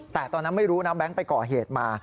แต่ตอนนั้นไม่รู้นะแบงค์ไปก่อเหตุมา